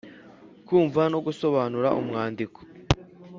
Kumva no gusobanura umwandiko